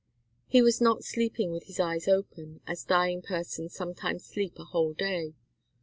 He was not sleeping with his eyes open, as dying persons sometimes sleep a whole day.